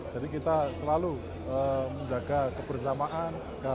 jadi kita selalu menjaga kebersamaan